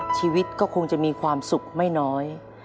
ชีวิตก็คงจะมีความสุขไม่น้อย